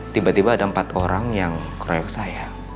tiba tiba ada empat orang yang kroyok saya